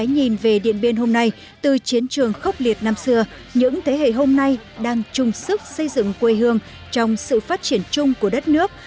nhìn về điện biên hôm nay từ chiến trường khốc liệt năm xưa những thế hệ hôm nay đang chung sức xây dựng quê hương trong sự phát triển chung của đất nước